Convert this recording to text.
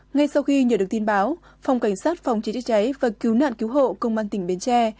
ngay sau khi nhờ được tin báo phòng cảnh sát phòng chế chế cháy và cứu nạn cứu hộ công an tỉnh bến tre